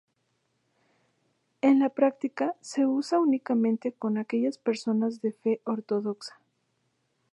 En la práctica se usa únicamente con aquellas personas de fe ortodoxa.